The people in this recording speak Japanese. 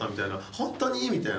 「ホントに？」みたいな。